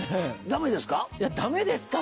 ダメですか？